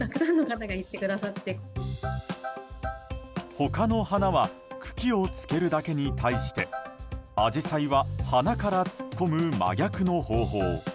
他の花は茎をつけるだけに対してアジサイは花から突っ込む真逆の方法。